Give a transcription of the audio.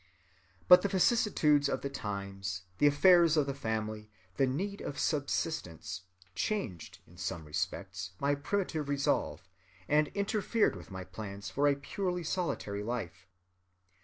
But the vicissitudes of the times, the affairs of the family, the need of subsistence, changed in some respects my primitive resolve, and interfered with my plans for a purely solitary life.